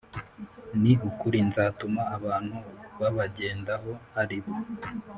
Ni ukuri nzatuma abantu babagendaho ari bo